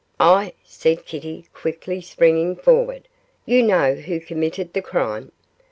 'Ah!' said Kitty, quickly, springing forward, 'you know who committed the crime.